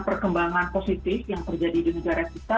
perkembangan positif yang terjadi di negara kita